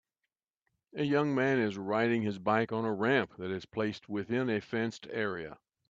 A young man is riding his bike on a ramp that is placed within a fenced area.